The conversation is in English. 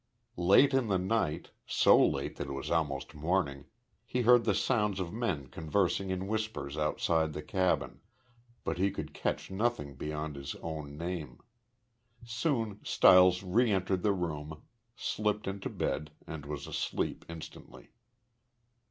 Late in the night so late that it was almost morning he heard the sounds of men conversing in whispers outside the cabin, but he could catch nothing beyond his own name. Soon Stiles re entered the room, slipped into bed, and was asleep instantly.